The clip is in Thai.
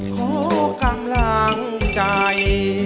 ขอกำลังใจ